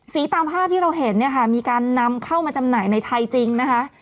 ตามภาพที่เราเห็นเนี่ยค่ะมีการนำเข้ามาจำหน่ายในไทยจริงนะคะ